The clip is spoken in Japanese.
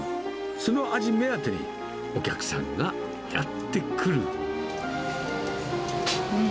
その味目当てに、お客さんがやっうん。